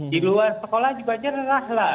di luar sekolah juga jernah lah